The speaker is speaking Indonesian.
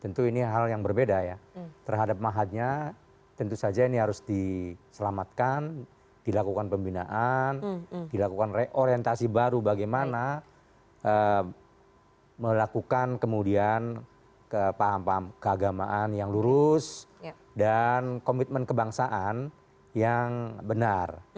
tentu ini hal yang berbeda ya terhadap mahatnya tentu saja ini harus diselamatkan dilakukan pembinaan dilakukan reorientasi baru bagaimana melakukan kemudian keagamaan yang lurus dan komitmen kebangsaan yang benar